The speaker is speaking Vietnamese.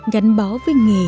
gắn bó với nghề